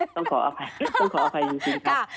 ต้องขออภัยต้องขออภัยจริงค่ะ